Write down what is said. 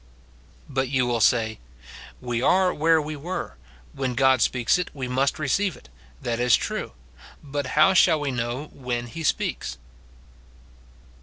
But you will say, "We are where we were. When God speaks it, we must receive it — that is true ; but how shall we know when lie speaks